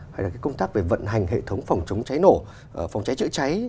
hay là cái công tác về vận hành hệ thống phòng chống cháy nổ phòng cháy chữa cháy